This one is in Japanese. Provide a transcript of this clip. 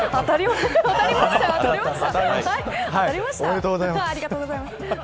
おめでとうございます。